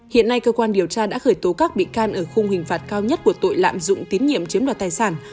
hiện nay cơ quan điều tra đã khởi tố các bị can ở khung hình phạt cao nhất của tội lạm dụng tín nhiệm chiếm đoạt tài sản